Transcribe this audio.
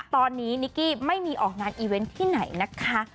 ตอนนี้นิกกี้ไม่มีออกงานอีเวนต์ที่ไหนนะคะ